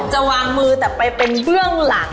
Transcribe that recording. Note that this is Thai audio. จะวางมือแต่ไปเป็นเบื้องหลัง